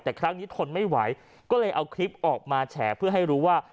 แต่ครั้งนี้ทนไม่ไหวก็เลยเอาคลิปออกมาแฉเพื่อให้รู้ว่า